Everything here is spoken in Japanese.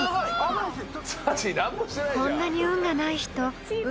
［こんなに運がない人運